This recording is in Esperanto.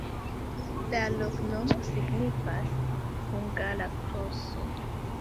La loknomo signifas: hungara-groso.